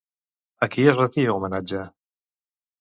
A qui es retia homenatge?